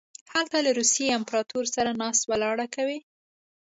هلته له روسیې امپراطور سره ناسته ولاړه کوي.